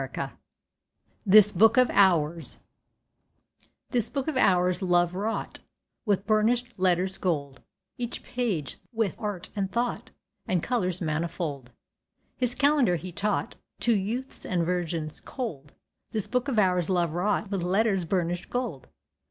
RONDEL—THIS BOOK OF HOURS THIS Book of Hours Love wrought With burnished letters gold, Each page with art and thought And colours manifold. His calendar he taught To youths and virgins cold— This Book of Hours Love wrought With letters burnished gold.